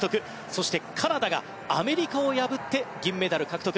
そして、カナダがアメリカを破って銀メダル獲得。